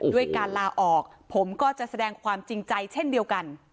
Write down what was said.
ด้วยการลาออกผมก็จะแสดงความจริงใจเช่นเดียวกัน